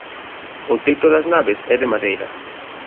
O teito das naves é de madeira.